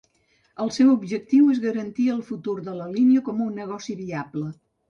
El seu objectiu és garantir el futur de la línia com un negoci viable.